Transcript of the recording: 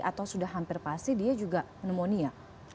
atau sudah hampir pasti dia juga pneumonia